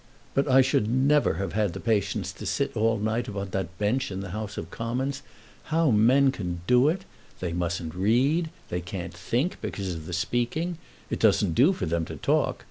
"But I should never have had patience to sit all night upon that bench in the House of Commons. How men can do it! They mustn't read. They can't think because of the speaking. It doesn't do for them to talk.